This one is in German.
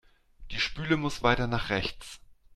Die Spüle muss weiter nach rechts.